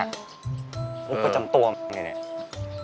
พูดไปจำตัวมากเลยนี่